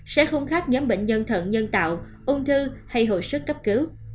sẽ không khác nhóm bệnh nhân thận nhân tạo ung thư hay hồi sức cấp cứu